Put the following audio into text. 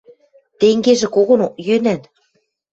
Тенгежӹ когонок йӧнӓн.